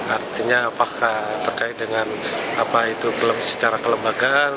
artinya apakah terkait dengan apa itu secara kelembagaan